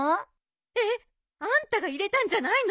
えっ！？あんたが入れたんじゃないの？